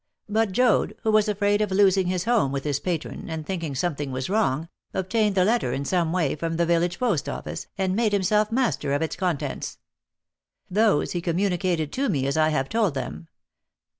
But Joad who was afraid of losing his home with his patron, and thinking something was wrong obtained the letter in some way from the village post office, and made himself master of its contents. Those he communicated to me as I have told them.